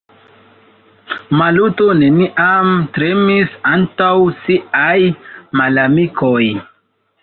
Maluto neniam tremis antaŭ siaj malamikoj.